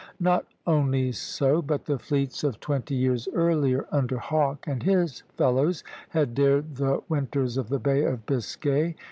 Not only so, but the fleets of twenty years earlier, under Hawke and his fellows, had dared the winters of the Bay of Biscay.